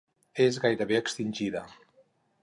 És gairebé extingida.